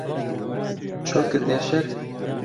چۆکت دێشێت؟